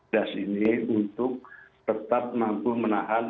das ini untuk tetap mampu menahan